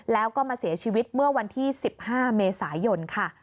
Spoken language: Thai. แล้วก็มาเสียชีวิตเมื่อวันที่๑๕เมษายนค่ะ